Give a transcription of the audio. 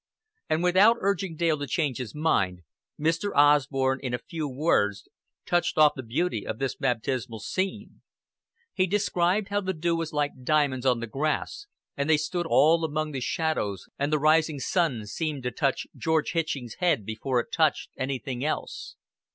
And without urging Dale to change his mind, Mr. Osborn in a few words touched off the beauty of this baptismal scene. He described how the dew was like diamonds on the grass, and they stood all among the shadows, and the rising sun seemed to touch George Hitching's head before it touched anything else.